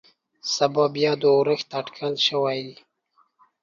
سبا بيا د اورښت اټکل شوى.